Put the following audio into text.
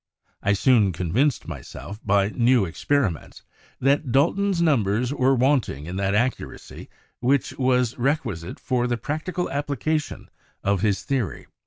... I soon convinced myself by new experiments that Dalton's numbers were wanting in that accuracy which v/as requi site for the practical application of his theory.